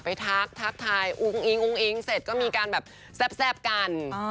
ไปทักทักทายอุ๊งอิ๊งเสร็จก็มีการแบบแซ่บกัน